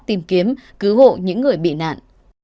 tìm kiếm cứu hộ những người bị nạn